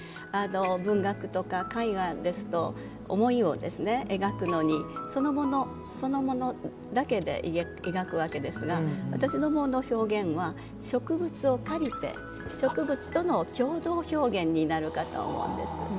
文学とか絵画だと、思いを描くのにそのものを描くわけですが私どもの表現は植物を借りて植物との共同表現になるかと思うんです。